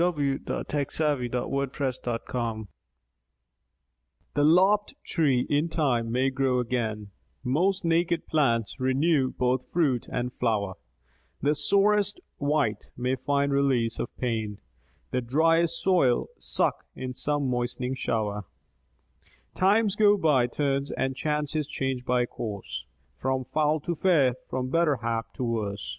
SOUTHWELL. 937. TIMES GO BY TURNS THE lopped tree in time may grow again, Most naked plants renew both fruit and flower ; The sorriest wight may find release of pain, The driest soil suck in some moistening shower ; Times go by turns, and chances change by course, From foul to fair, from better hap to worse.